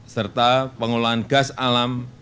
serta pengelolaan gas alam